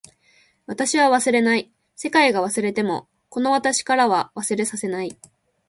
私は忘れない。世界が忘れてもこの私からは忘れさせない。